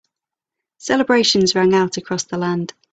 Celebrations rang out across the land.